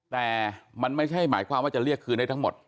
แต่มันไม่ใช่หมายความว่าจะเรียกคืนได้ทั้งหมด